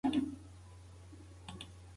ملکیار د خپل وخت له حالاتو اغېزمن و.